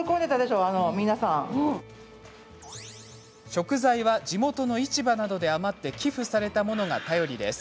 食材は地元の市場などで余って寄付されたものが頼りです。